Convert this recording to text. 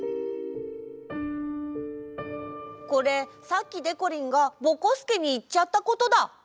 これさっきでこりんがぼこすけにいっちゃったことだ。